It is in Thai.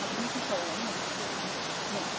หลุดหลานมาลุก